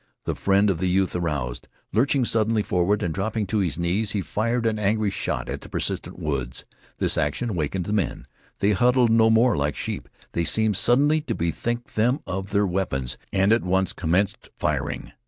The friend of the youth aroused. Lurching suddenly forward and dropping to his knees, he fired an angry shot at the persistent woods. This action awakened the men. They huddled no more like sheep. They seemed suddenly to bethink them of their weapons, and at once commenced firing.